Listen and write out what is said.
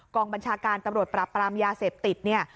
กองบัญชาการตำรวจปราบปรามยาเสพติดเนี่ย